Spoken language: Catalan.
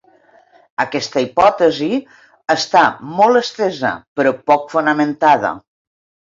Aquesta hipòtesi està molt estesa, però poc fonamentada.